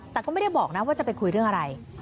แต่ก็ไม่ได้บอกนะว่าจะไปคุยเรื่องอะไร